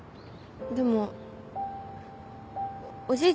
でもおじいちゃん